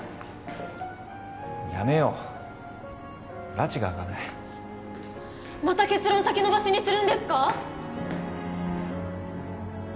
やめようらちが明かないまた結論先延ばしにするんですか？